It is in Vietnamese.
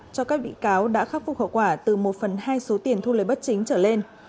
cho các bị cáo đã khắc phục hậu quả từ một phần hai số tiền thu lời bất chính trở lên